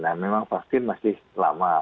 nah memang vaksin masih lama